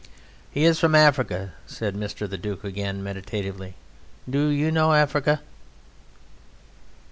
"He is from Africa," said Mr. The Duke again, meditatively. "Do you know Africa?"